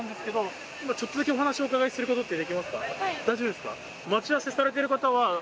大丈夫ですか？